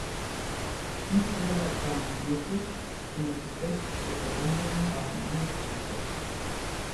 Dies wäre auch gar nicht möglich, wenn das Gefecht der verbundenen Waffen angestrebt wird.